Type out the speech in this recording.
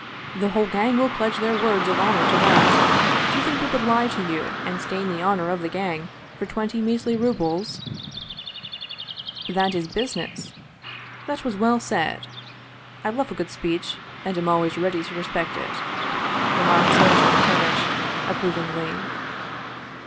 The whole gang will pledge their words of honor to that. Do you think we would lie to you and stain the honor of the gang for twenty measly rubles ?"" That is business. That was well said. I love a good speech, and am always ready to respect it," remarked Sergei Antonitch approvingly.